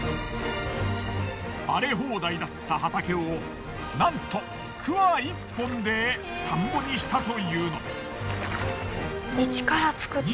荒れ放題だった畑をなんと鍬一本で田んぼにしたというのです。